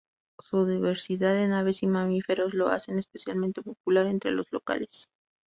Su diversidad en aves y mamíferos lo hacen especialmente popular entre los locales.